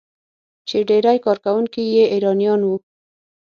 چې ډیری کارکونکي یې ایرانیان وو.